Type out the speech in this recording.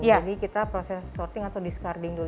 jadi kita proses sorting atau discarding dulu